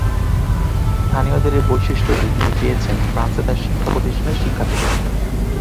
স্থানীয়দের এই বৈশিষ্ট্যটি তিনি পেয়েছেন ফ্রান্সে তার শিক্ষা প্রতিষ্ঠানের শিক্ষা থেকে।